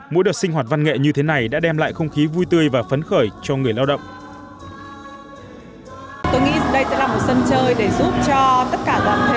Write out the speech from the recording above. mỗi đợt sinh hoạt văn nghệ như thế này đã đem lại không khí vui tươi và phấn khởi cho người lao động